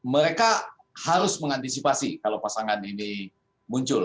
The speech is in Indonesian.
mereka harus mengantisipasi kalau pasangan ini muncul